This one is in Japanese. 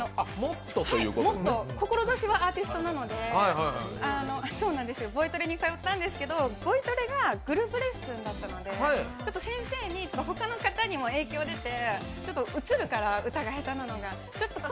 志はアーティストなのでボイトレに通ったんですけど、ボイトレ、グループレッスンだったのでちょっと先生に、他の方にも影響が出てうつるから歌が下手なのが。